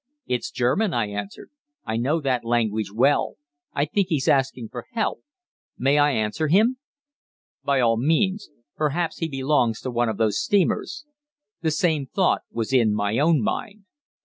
'It's German,' I answered. 'I know that language well. I think he's asking for help. May I answer him?' "'By all means. Perhaps he belongs to one of those steamers.' The same thought was in my own mind.